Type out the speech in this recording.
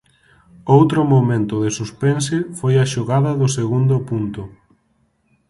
Outro momento de suspense foi a xogada do segundo punto.